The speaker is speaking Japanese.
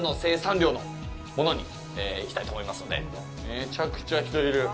めちゃくちゃ人いる。